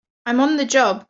I'm on the job!